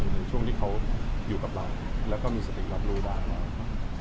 ในช่วงที่เขาอยู่กับเราแล้วก็มีสติรับรู้ได้นะครับ